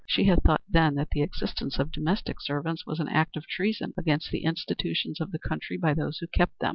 She had thought then that the existence of domestic servants was an act of treason against the institutions of the country by those who kept them.